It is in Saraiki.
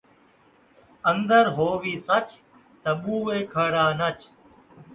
اندر ہووی سچ، تاں ٻوہے کھڑا نچ